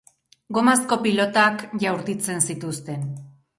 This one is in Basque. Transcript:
Gomazko pilotak jaurtitzen zituzten.